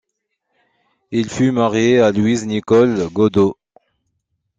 Il fut marié à Louise-Nicole Godeau.